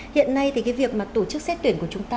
hiện nay thì cái việc mà tổ chức xét tuyển của chúng ta